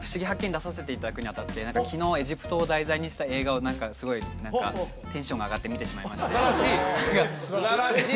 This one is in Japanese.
出させていただくにあたって昨日エジプトを題材にした映画をすごい何かテンションが上がって見てしまいましてすばらしい！